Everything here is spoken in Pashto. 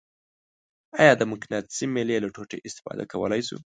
آیا د مقناطیسي میلې له ټوټې استفاده کولی شو؟